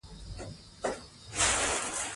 د نجونو تعلیم د رضاکارانه کارونو ملاتړ کوي.